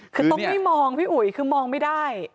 คือต้องไม่มองพี่อุ๋ยคือมองไม่ได้